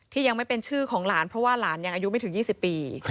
ยังไม่เป็นชื่อของหลานเพราะว่าหลานยังอายุไม่ถึง๒๐ปี